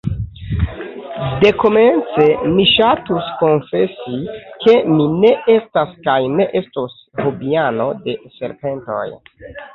Dekomence mi ŝatus konfesi, ke mi ne estas kaj ne estos hobiano de serpentoj.